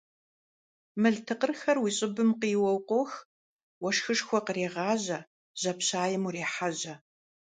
Мыл тыкъырхэр уи щӀыбым къиуэу къох, уэшхышхуэ кърегъажьэ, жьапщаем урехьэжьэ.